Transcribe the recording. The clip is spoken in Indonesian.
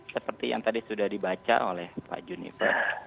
seperti yang tadi sudah dibaca oleh pak juniper